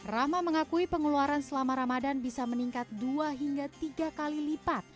rahma mengakui pengeluaran selama ramadan bisa meningkat dua hingga tiga kali lipat